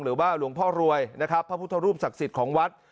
หรือว่าหลวงพ่อรวยนะครับพระพุทธรูปศักดิ์สิทธิ์ของวัด